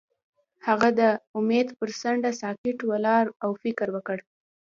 هغه د امید پر څنډه ساکت ولاړ او فکر وکړ.